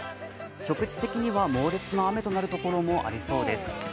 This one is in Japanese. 局地的には猛烈な雨となる所もありそうです。